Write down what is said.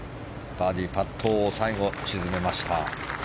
バーディーパットを最後、沈めました。